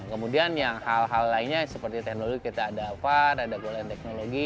kemudian yang hal hal lainnya seperti teknologi kita ada alfar ada gola gola ada apa apa